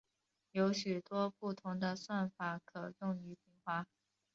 有许多不同的算法可用于平滑。